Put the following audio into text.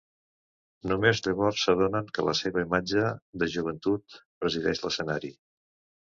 Només llavors s'adonen que la seva imatge de joventut presideix l'escenari.